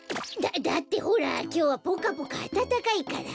だだってほらきょうはぽかぽかあたたかいから。